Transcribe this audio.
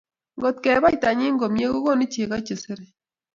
Ngotkebai tanyi komie kokonu chego che sere